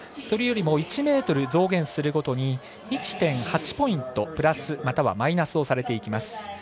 それよりも１ｍ増減するごとに１．８ポイントプラスまたはマイナスをされていきます。